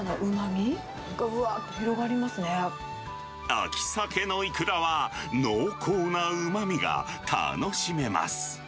秋サケのイクラは濃厚なうまみが楽しめます。